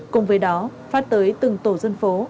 cùng với đó phát tới từng tổ dân phố